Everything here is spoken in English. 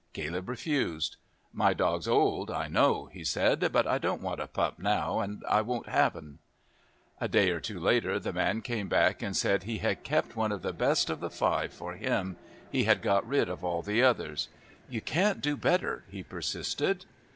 Caleb refused. "My dog's old, I know," he said, "but I don't want a pup now and I won't have 'n." A day or two later the man came back and said he had kept one of the best of the five for him he had got rid of all the others. "You can't do better," he persisted.